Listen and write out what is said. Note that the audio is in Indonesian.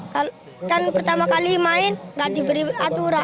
kalau pertama kali main tidak diberi aturan